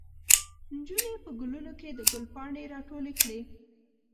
نجونې په ګلونو کې د ګل پاڼې راټولې کړې.